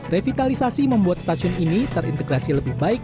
revitalisasi membuat stasiun ini terintegrasi lebih baik